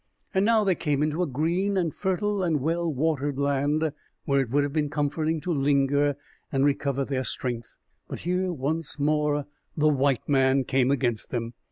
And now they came into a green and fertile and well watered land, where it would have been comforting to linger and recover their strength. But here, once more, the white man came against them.